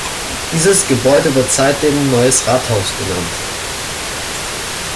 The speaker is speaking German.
Dieses Gebäude wird seitdem „Neues Rathaus“ genannt.